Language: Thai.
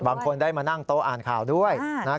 บางคนได้มานั่งโต๊ะอ่านข่าวด้วยนะครับ